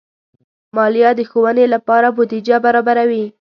مالیه د ښوونې لپاره بودیجه برابروي.